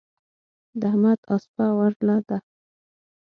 د احمد اسپه ورله ده.